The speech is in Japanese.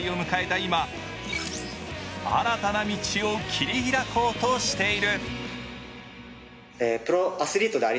今新たな道を切り開こうとしている。